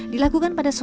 dilakukan pada suara